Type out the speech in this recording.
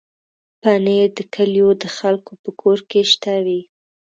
پنېر د کلیو د خلکو په کور کې شته وي.